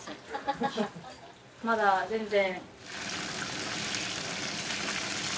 まだ全然。